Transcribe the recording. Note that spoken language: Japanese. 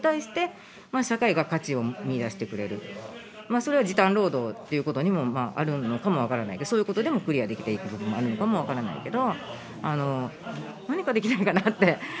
それは時短労働ということにもあるのかも分からないけどそういうことでもクリアできていく部分もあるのかも分からないけど。